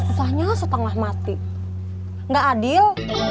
susahnya setengah mati nggak adil